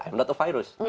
saya bukan virus